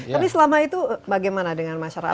tapi selama itu bagaimana dengan masyarakat